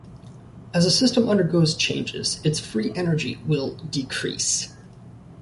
As a system undergoes changes, its free energy will decrease.